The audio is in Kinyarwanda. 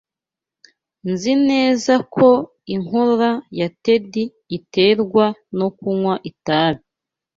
Nzi neza ko inkorora ya Ted iterwa no kunywa itabi.